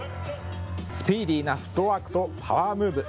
スピーディーなフットワークとパワームーブ。